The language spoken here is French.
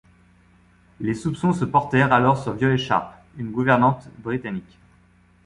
Les soupçons se portèrent alors sur Violet Sharp, une gouvernante britannique.